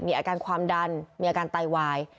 อาการความดันมีอาการไตวาย